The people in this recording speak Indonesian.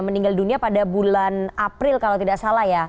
meninggal dunia pada bulan april kalau tidak salah ya